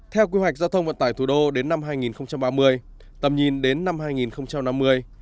theo quy hoạch giao thông vận tải thủ đô đến năm hai nghìn ba mươi tầm nhìn đến năm hai nghìn năm mươi